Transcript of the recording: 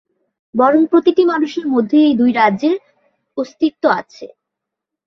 বরং প্রতিটি মানুষের মধ্যেই এই দুই রাজ্যের অস্তিত্ব আছে।